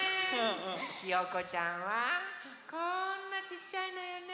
ひよこちゃんはこんなちっちゃいのよね。